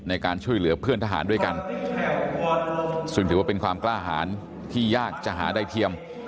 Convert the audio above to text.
ในการช่วยเหลือเพื่อนทหารด้วยกันซึ่งถือว่าเป็นความกล้าหารที่ยากจะหาได้เทียม